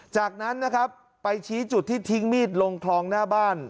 จากนั้นนะครับไปชี้จุดที่ทิ้งมีดลงคลองหน้าบ้าน